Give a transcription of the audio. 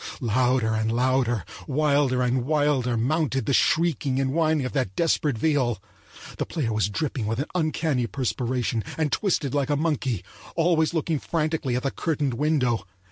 Louder and louder, wilder and wilder, mounted the shrieking and whining of that desperate viol. The player was dripping with an uncanny perspiration and twisted like a monkey, always looking frantically at the curtained window.